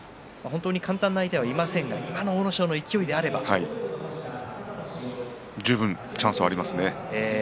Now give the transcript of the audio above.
本当に簡単な相手はいませんが十分チャンスはありますね。